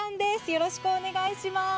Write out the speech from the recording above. よろしくお願いします。